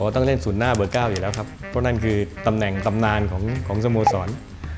ต้องเล่น๐หน้าเบอร์๙อยู่แล้วครับเพราะนั่นคือตำแหน่งตำนานของสโมสร